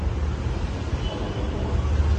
Казанда туган.